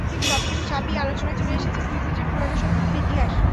কিন্তু সবকিছু ছাপিয়ে আলোচনায় চলে এসেছে দুই কোচের পুরোনো শত্রুতার ইতিহাস।